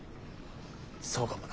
そうかもな。